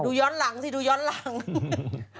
ย้อนหลังสิดูย้อนหลัง